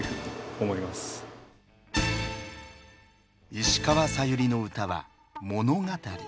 石川さゆりの歌は物語。